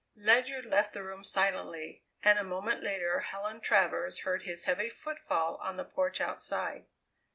Ledyard left the room silently, and a moment later Helen Travers heard his heavy footfall on the porch outside.